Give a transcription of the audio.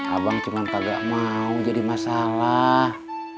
abang cuma pagak mau jadi masalah